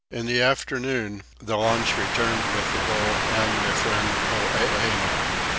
In the afternoon the launch returned with the bull and my friend Poeeno.